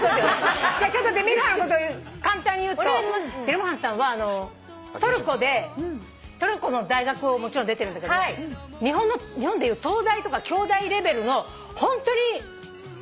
ちょっとデミルハンのことを簡単に言うとデミルハンさんはトルコでトルコの大学をもちろん出てるんだけど日本でいう東大とか京大レベルのホントに何ていう大学でした？